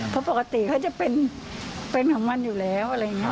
เพราะปกติเขาจะเป็นของมันอยู่แล้วอะไรอย่างนี้